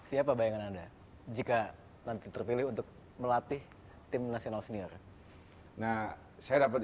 siapa bayangan anda jika nanti terpilih untuk melatih tim nasional senior nah saya dapat